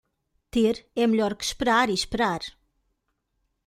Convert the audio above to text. Ter é melhor que esperar e esperar.